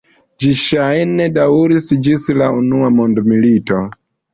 Ĝi ŝajne daŭris ĝis la unua mondmilito.